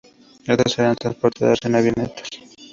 Estas eran transportadas en avionetas.